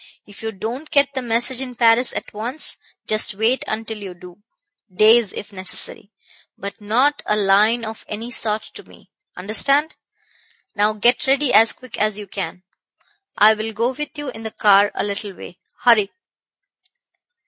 If you don't get the message in Paris at once, just wait until you do days, if necessary. But not a line of any sort to me. Understand? Now get ready as quick as you can. I'll go with you in the car a little way. Hurry!'